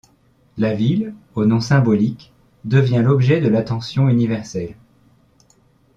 La ville, au nom symbolique, devient l'objet de l'attention universelle.